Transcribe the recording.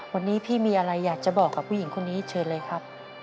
วันนี้พี่มีอะไรอยากจะบอกกับผู้หญิงคนนี้เชิญเลยครับ